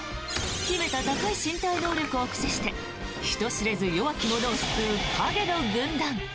秘めた高い身体能力を駆使して人知れず弱き者を救う影の軍団。